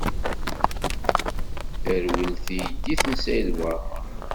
Terwel teydit n Saɛid Waɛmaṛ.